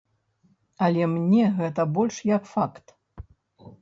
Але мне гэта больш як факт.